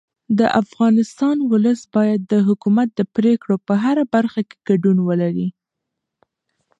د افغانستان ولس باید د حکومت د پرېکړو په هره برخه کې ګډون ولري